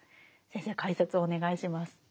先生解説をお願いします。